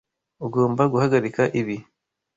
Ugomba guhagarika ibi.